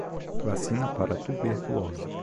Vacina para tuberculose